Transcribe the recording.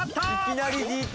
いきなりＤＴ。